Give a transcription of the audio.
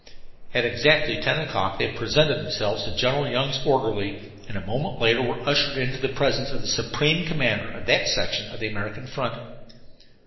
At exactly ten o'clock they presented themselves to General Young's orderly, and a moment later were ushered into the presence of the supreme commander of that section of the American front.